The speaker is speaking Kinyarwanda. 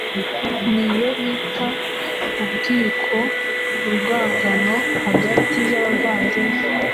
niyo bita ubwiko urwangano hagati yabavandimwe